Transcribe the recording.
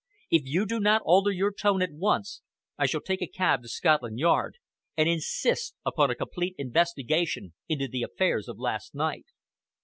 If you do not alter your tone at once, I shall take a cab to Scotland Yard, and insist upon a complete investigation into the affairs of last night."